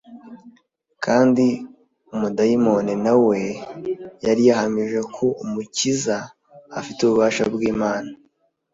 kandi umudayimoni na we yari yahamije ko umukiza afite ububasha bw’imana